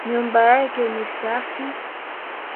Nyumba yake ni safi